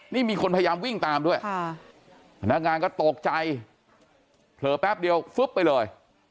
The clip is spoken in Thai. นี่มีคนพยายามวิ่งตามด้วยพนักงานก็ตกใจเผลอแป๊บเดียวฟึ๊บไปเลย